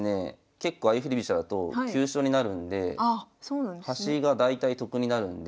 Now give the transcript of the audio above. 結構相振り飛車だと急所になるんで端が大体得になるんで。